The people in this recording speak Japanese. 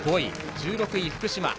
１６位、福島。